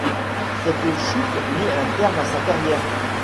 Cette chute mit un terme à sa carrière.